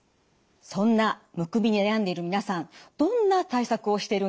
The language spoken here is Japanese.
そんなむくみで悩んでいる皆さんどんな対策をしているんでしょうか？